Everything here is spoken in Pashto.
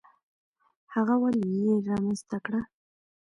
هغه ولې یې رامنځته کړه؟